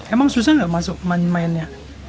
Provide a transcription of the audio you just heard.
emang susah nggak masuk main mainnya